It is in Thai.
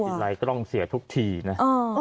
เห็นร้ายก็ต้องเสียทุกทีนะ